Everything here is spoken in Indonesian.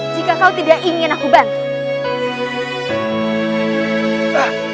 jika kau tidak ingin aku bantu